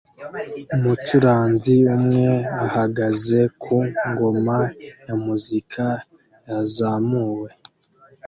Umucuranzi umwe ahagaze ku ngoma ya muzika yazamuwe